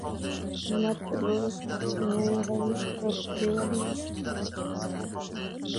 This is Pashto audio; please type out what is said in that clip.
احمد په دوو ورځو کې خپله دونيا یوه هګۍکړ او پر دېوال يې وويشت.